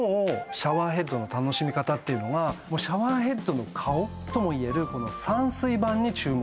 シャワーヘッドの楽しみ方っていうのはもうシャワーヘッドの顔ともいえるこの散水板に注目！